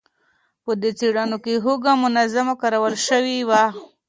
په دې څېړنه کې هوږه منظم کارول شوې وه.